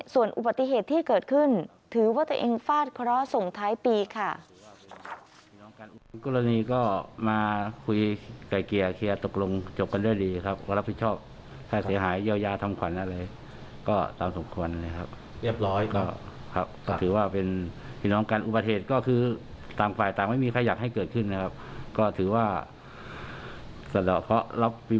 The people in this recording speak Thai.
ส่วนอุบัติเหตุที่เกิดขึ้นถือว่าตัวเองฟาดเคราะห์ส่งท้ายปีค่ะ